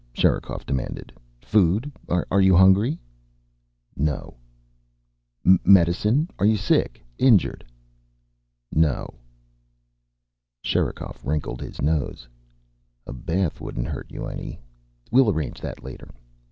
Sherikov demanded. "Food? Are you hungry?" "No." "Medicine? Are you sick? Injured?" "No." Sherikov wrinkled his nose. "A bath wouldn't hurt you any. We'll arrange that later."